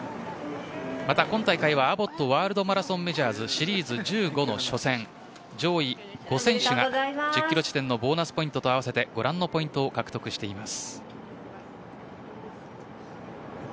今大会はアボットワールドマラソンメジャーズシリーズ１５の初戦上位５選手が１０キロ地点のボーナスポイントと合わせご覧のポイントを獲得しています。